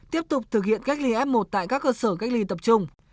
tiếp tục thực hiện cách ly f một tại các cơ sở cách ly tập trung